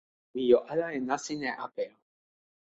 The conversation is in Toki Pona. mi jo ala e nasin e apeja.